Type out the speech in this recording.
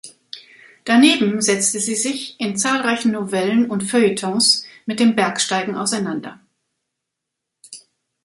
Daneben setzte sie sich in zahlreichen Novellen und Feuilletons mit dem Bergsteigen auseinander.